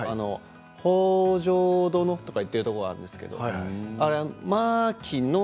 北条殿、と言っているところがあるんですけどまー